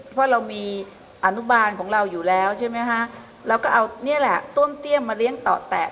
เพราะเรามีอนุบาลของเราอยู่แล้วใช่ไหมคะเราก็เอานี่แหละต้มเตี้ยมมาเลี้ยงต่อแตะ